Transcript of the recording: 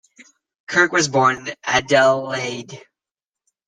Kirk was born in Adelaide.